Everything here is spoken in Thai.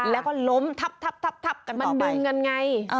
แล้วก็ล้มทับกันต่อไป